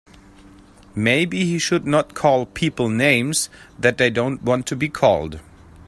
Maybe he should not call people names that they don't want to be called.